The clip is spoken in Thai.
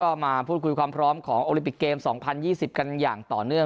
ก็มาพูดคุยความพร้อมของโอลิปิกเกม๒๐๒๐กันอย่างต่อเนื่อง